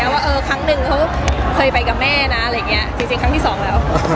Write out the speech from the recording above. ว่าเออครั้งหนึ่งเคยไปกับแม่นะคงแต่ที่สองแล้ว